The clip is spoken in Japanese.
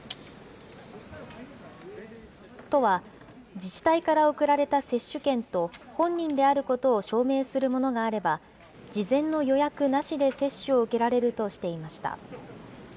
都は、自治体から送られた接種券と本人であることを証明するものがあれば、事前の予約なしで接種を受けられるとしていました。